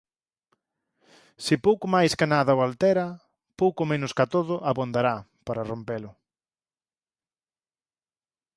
Se «pouco máis ca nada o altera, pouco menos ca todo abondará» para rompelo.